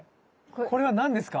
これは何ですか？